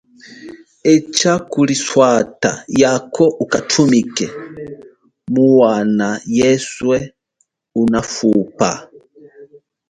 Echa kuliswata, yako uthumike muwana yeswe unafupa.